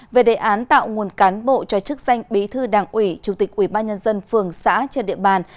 về đề án tạo nguồn cán bộ cho chức danh bí thư đảng ủy chủ tịch ủy ban nhân dân phường xã trần điện bàn